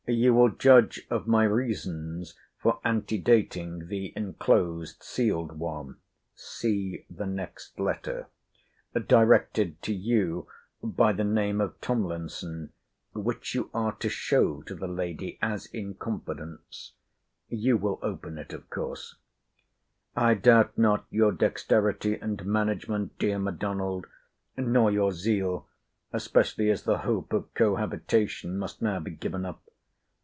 You will judge of my reasons for ante dating the enclosed sealed one,* directed to you by the name of Tomlinson; which you are to show to the lady, as in confidence. You will open it of course. * See the next Letter. I doubt not your dexterity and management, dear M'Donald; nor your zeal; especially as the hope of cohabitation must now be given up.